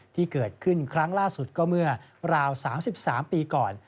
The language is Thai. ที่เกิดขึ้นครั้งล่าสุดก็เมื่อราว๓๓ปีก่อน